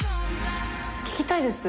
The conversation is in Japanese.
聞きたいです。